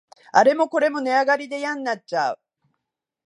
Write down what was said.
あれもこれも値上がりでやんなっちゃう